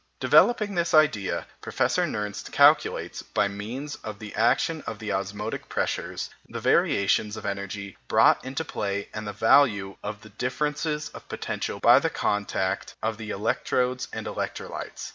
Developing this idea, Professor Nernst calculates, by means of the action of the osmotic pressures, the variations of energy brought into play and the value of the differences of potential by the contact of the electrodes and electrolytes.